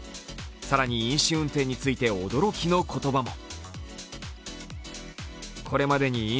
更に飲酒運転について驚きの言葉も。